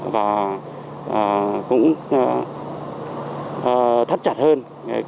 và cũng thắt chặt hơn